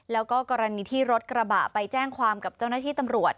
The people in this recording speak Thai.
แล้วก็กรณีที่รถกระบะไปแจ้งความกับเจ้าหน้าที่ตำรวจ